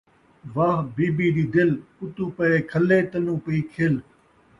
واہ بی بی دی دل ، اتوں پئے کھلے تلوں پئی کھل